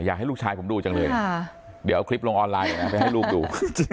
อยากให้ลูกชายผมดูจังเลยเดี๋ยวเอาคลิปลงออนไลน์ไปให้ลูกดู